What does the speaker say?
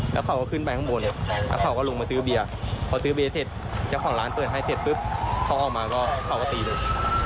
แล้วเขาก็ขึ้นไปข้างบนแล้วเขาก็ลงมาซื้อเบียร์พอซื้อเบียร์เสร็จเจ้าของร้านเปิดให้เสร็จปุ๊บเขาออกมาก็เขาก็ตีเลย